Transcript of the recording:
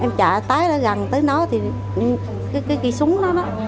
em trả tái gần tới nó thì cái kỳ súng đó đó